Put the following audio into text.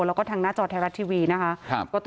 แล้วก็ทางหน้าจอไทยรัฐทีวีนะคะ